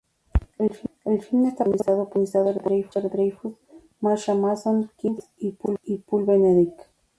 El film está protagonizado por Richard Dreyfuss, Marsha Mason, Quinn Cummings y Paul Benedict.